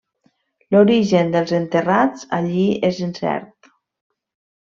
L'origen dels enterrats allí és incert.